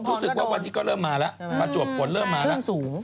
รู้สึกว่าวันนี้ก็เริ่มมาแล้วประจวบฝนเริ่มมาแล้ว